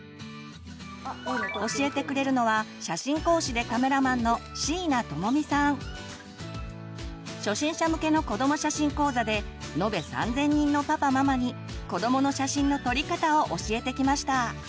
教えてくれるのは初心者向けの子ども写真講座で延べ３，０００人のパパママに子どもの写真の撮り方を教えてきました。